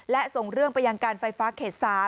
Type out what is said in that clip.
และส่งเรื่องไปยังการไฟฟ้าเขต๓